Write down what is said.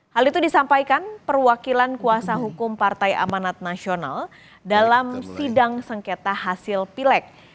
hal itu disampaikan perwakilan kuasa hukum partai amanat nasional dalam sidang sengketa hasil pilek